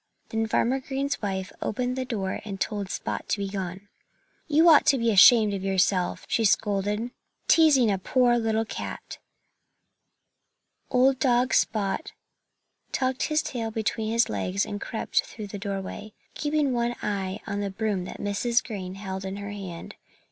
Then Farmer Green's wife opened the door and told Spot to be gone. "You ought to be ashamed of yourself " she scolded "teasing a poor little cat!" Old dog Spot tucked his tail between his legs and crept through the doorway, keeping one eye on the broom that Mrs. Green held in her hand.